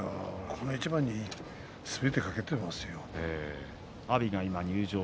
この一番にすべてをかけています。